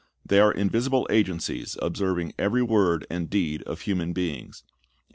There are invisible agencies observing every word and deed of human beings.